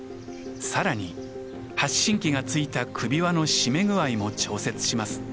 さらに発信器が付いた首輪の締め具合も調節します。